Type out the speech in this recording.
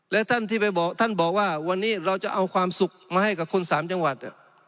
และท่านที่ไปบอกท่านบอกว่าวันนี้เราจะเอาความสุขมาให้กับคนสามจังหวัด